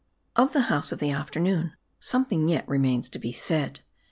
OF the House of the Afternoon something yet remains to b.e said.